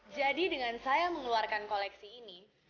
jadi dengan saya mengeluarkan koleksi ini